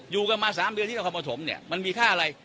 อยู่กันมาสามเดือนที่เราความประถมเนี่ยมันมีค่าอะไร